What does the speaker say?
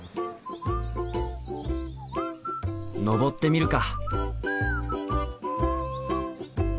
登ってみるか！